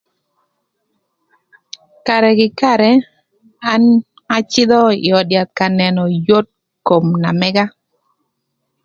Karë kï karë, an acïdhö ï öd yath ka nënö yot kom na mëga.